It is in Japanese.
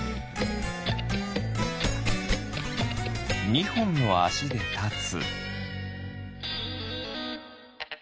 ２ほんのあしでたつ。